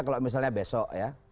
kalau misalnya besok ya